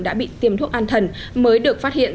đã bị tiêm thuốc an thần mới được phát hiện